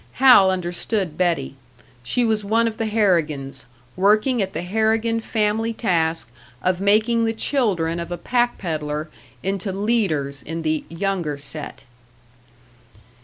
Hal understood Betty she was one of the Harrigans, working at the Harrigan family task of making the children of a pack pedlar into leaders in the "younger set!"